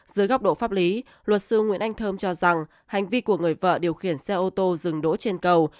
dưới góc độ pháp lý luật sư nguyễn anh thơm cho rằng hành vi của người vợ điều khiển xe ô tô dừng đỗ trên cầu